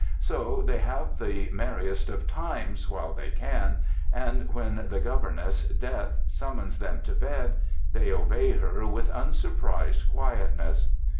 So they have the merriest of times while they can, and when the governess, Death, summons them to bed, they obey her with unsurprised quiet ness.